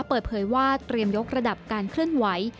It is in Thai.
เปิดเผยว่าเตรียมยกระดับการเคลื่อนไหว